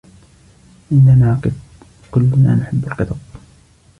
عندنا قط. كلنا نحب القطط.